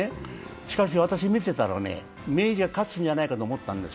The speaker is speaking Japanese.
しかし、私見てたら、明治が勝つんじゃないかと思ってたんです。